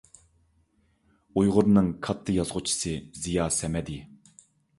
ئۇيغۇرنىڭ كاتتا يازغۇچىسى زىيا سەمەدى.